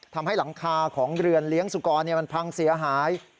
ทำให้หลังคาของเรือนเลี้ยงสุกรมันพังเสียหาย